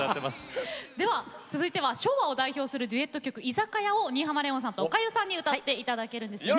では続いては昭和を代表するデュエット曲「居酒屋」を新浜レオンさんとおかゆさんに歌って頂けるんですよね。